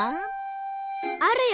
あるよ。